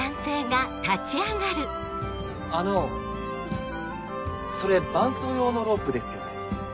あのそれ伴走用のロープですよね？